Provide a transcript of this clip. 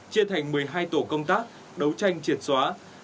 chia thành một mươi hai tổ công tác đấu tranh triệt xóa